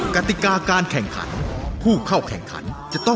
คิดไม่เอา